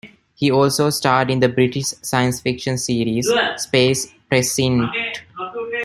He also starred in the British science fiction series "Space Precinct".